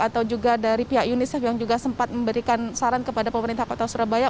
atau juga dari pihak unicef yang juga sempat memberikan saran kepada pemerintah kota surabaya